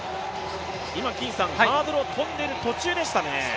今、ハードルを跳んでいる途中でしたね。